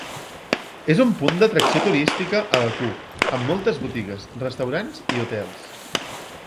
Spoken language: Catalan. És un punt d'atracció turística a Bakú, amb moltes botigues, restaurants i hotels.